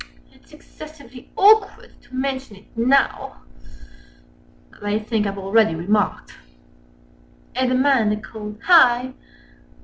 "It's excessively awkward to mention it now— Â Â Â Â As I think I've already remarked." And the man they called "Hi!"